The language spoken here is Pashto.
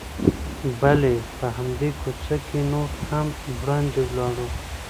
بلې، په همدې کوڅه کې نور هم وړاندې ولاړو.